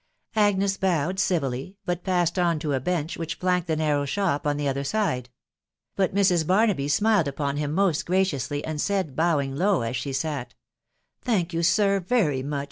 Agnes bowed' civilly, but: passed on, to a bench which flanked the narrow shop 0*1 the other side ; but Mrs. Barnaby smiled upon him moat giaoiousiyv and said; bowing low as she sat, —Thank you, sir, very much